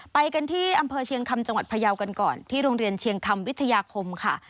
ไปกันที่อำเภอเชียงคำจังหวัดพยาวกันก่อนที่โรงเรียนเชียงคำวิทยาคมค่ะ